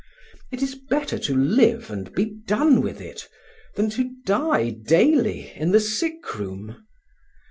It is better to live and be done with it, than to die daily in the sickroom.